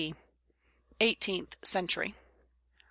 III. EIGHTEENTH CENTURY.